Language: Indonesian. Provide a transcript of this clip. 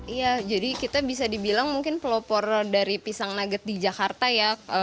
iya jadi kita bisa dibilang mungkin pelopor dari pisang nugget di jakarta ya